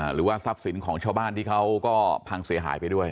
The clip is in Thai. หรือว่าทรัพย์สินของชาวบ้านที่เขาก็พังเสียหายไปด้วย